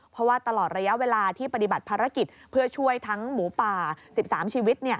เพราะว่าตลอดระยะเวลาที่ปฏิบัติภารกิจเพื่อช่วยทั้งหมูป่า๑๓ชีวิต